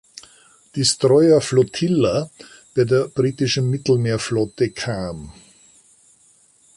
Destroyer Flotilla“ bei der britischen Mittelmeerflotte kam.